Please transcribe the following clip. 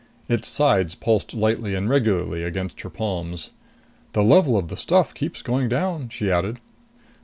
Its sides pulsed lightly and regularly against her palms. "The level of the stuff keeps going down," she added.